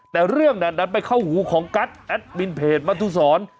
แต่เรื่องนั้นดันไปเข้าหูของกัสแอดมินเพจมัธุศร